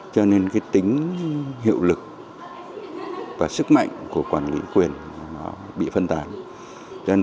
cho nên tính hiệu lực và sức mạnh của quản lý quyền bị phân tàn